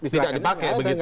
tidak dipakai begitu ya